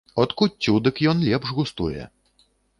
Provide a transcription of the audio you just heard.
От куццю дык ён лепш густуе.